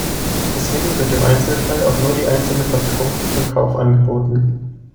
Deswegen wird im Einzelfall auch nur die einzelne Verpackung zum Kauf angeboten.